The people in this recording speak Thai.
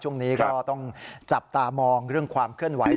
ช่วงนี้ก็ต้องจับตามองเรื่องความเคลื่อนไหว